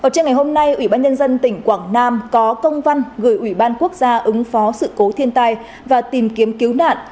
trên ngày hôm nay ủy ban nhân dân tỉnh quảng nam có công văn gửi ủy ban quốc gia ứng phó sự cố thiên tai và tìm kiếm cứu nạn